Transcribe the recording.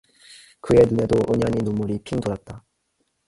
그의 눈에도 은연히 눈물이 핑 돌았다.